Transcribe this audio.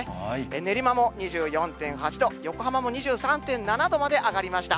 練馬も２４．８度、横浜も２３．７度まで上がりました。